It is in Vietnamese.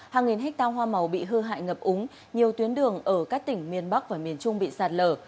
hàng nghìn hectare hoa màu bị hư hại ngập úng nhiều tuyến đường ở các tỉnh miền bắc và miền trung bị sạt lở